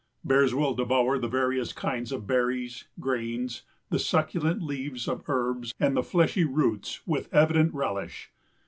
Bears will devour the various kinds of berries, grains, the succulent leaves of herbs and the fleshy roots, with evident relish.